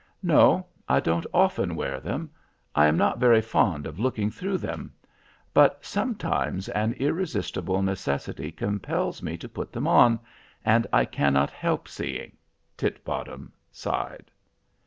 "No, I don't often wear them. I am not very fond of looking through them. But sometimes an irresistible necessity compels me to put them on, and I cannot help seeing." Titbottom sighed.